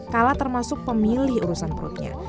kala termasuk pemilih urusan perutnya